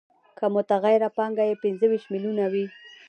که متغیره پانګه یې پنځه ویشت میلیونه وي